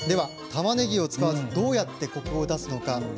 たまねぎを使わずどうやってコクを出すのか？